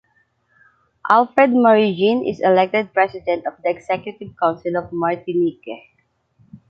Alfred Marie-Jeanne is elected President of the Executive Council of Martinique.